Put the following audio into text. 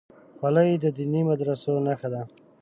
خولۍ د دیني مدرسو نښه ده.